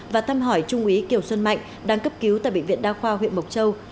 và thăm hỏi trung úy kiều xuân mạnh đang cấp cứu tại bệnh viện đa khoa huyện mộc châu